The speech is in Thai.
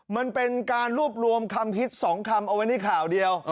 มันเป็นการรวบรวมคำคิด๒คำเอาไว้ในข่าวเดียว